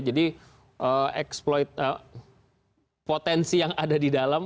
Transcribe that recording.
jadi potensi yang ada di dalam